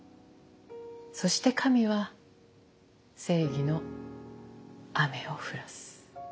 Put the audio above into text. そして神は正義の雨を降らす。